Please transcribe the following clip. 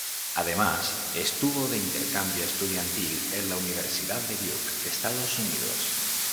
Además, estuvo de intercambio estudiantil en la Universidad de Duke, Estados Unidos.